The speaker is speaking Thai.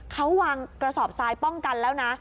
เขาวางกระสอบทรายป้องกันแล้วนะ